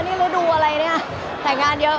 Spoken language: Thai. มันเป็นเรื่องน่ารักที่เวลาเจอกันเราต้องแซวอะไรอย่างเงี้ย